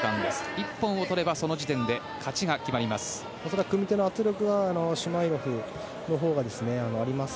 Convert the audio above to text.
１本を取ればその時点で勝ちが決まります。